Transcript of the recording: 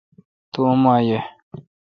تو اوما یہ۔